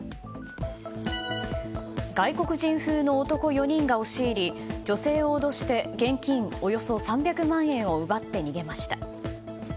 外国人風の男４人が押し入り女性を脅して現金およそ３００万円を奪って逃げました。